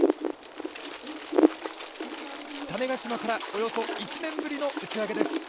種子島からおよそ１年ぶりの打ち上げです。